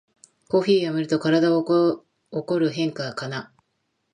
コーヒーをやめると体に起こる変化かな